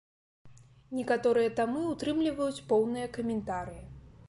Некаторыя тамы ўтрымліваюць поўныя каментарыі.